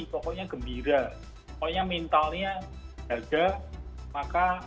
pokoknya gembira pokoknya mentalnya harga